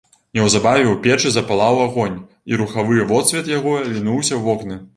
Неўзабаве ў печы запалаў агонь, і рухавы водсвет яго лінуўся ў вокны.